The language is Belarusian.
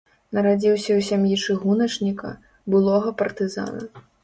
Нарадзіўся ў сям'і чыгуначніка, былога партызана.